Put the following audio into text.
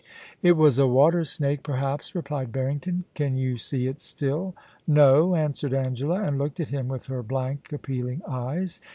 * It was a water snake, perhaps,* replied Harrington. * Can you see it still ?No,* answered Angela, and looked at him with her blank, appealing eyes.